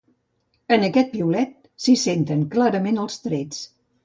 En aquest piulet s’hi senten clarament els trets.